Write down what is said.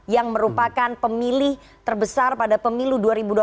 yang merupakan pemilih terbesar pada pemilu dua ribu dua puluh